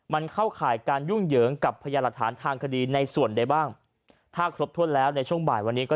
มันเข้าข่ายการยุ่งเหยิงกับพยานหลักฐานทางคดีในส่วนใดบ้างถ้าครบถ้วนแล้วในช่วงบ่ายวันนี้ก็